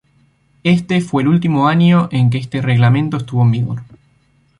Este fue el último año en que este reglamento estuvo en vigor.